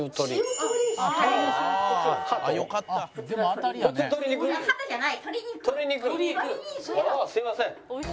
ああすいません。